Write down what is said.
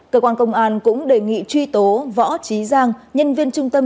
cơ quan công an cũng đề nghị truy tố võ trí giang nhân viên trung tâm